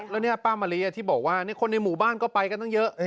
แล้วนี่ป้ามะลิที่บอกว่าคนในหมู่บ้านก็ไปกันตั้งเยอะ